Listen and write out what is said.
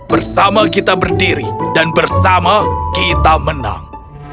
bersama kita berdiri dan bersama kita menang